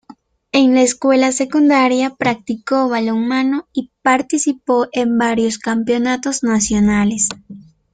En la escuela secundaria practicó balonmano y participó en varios campeonatos nacionales.